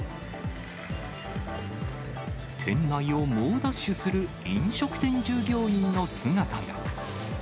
店内を猛ダッシュする飲食店従業員の姿が。